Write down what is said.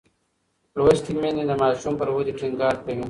لوستې میندې د ماشوم پر ودې ټینګار کوي.